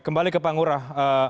kembali ke pak ngurah